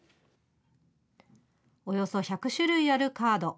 およそ１００種類あるカード。